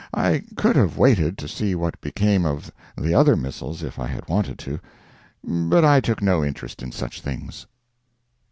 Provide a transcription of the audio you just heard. I could have waited to see what became of the other missiles if I had wanted to, but I took no interest in such things.